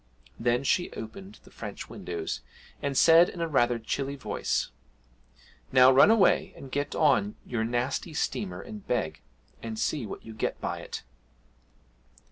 Then she opened the French windows, and said in rather a chilly voice, 'Now run away and get on your nasty steamer and beg, and see what you get by it!'